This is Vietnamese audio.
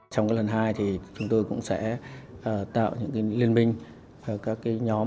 trong lần hai thì chúng tôi cũng sẽ tạo những liên minh các nhóm